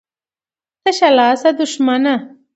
ـ تشه لاسه دښمنه.